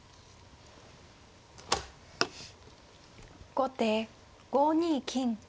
後手５二金。